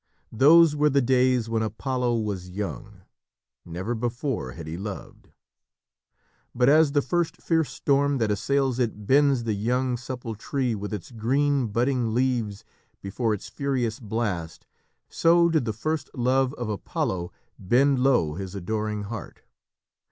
Those were the days when Apollo was young. Never before had he loved. But as the first fierce storm that assails it bends the young, supple tree with its green budding leaves before its furious blast, so did the first love of Apollo bend low his adoring heart.